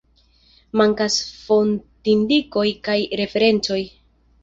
Mankas fontindikoj kaj referencoj.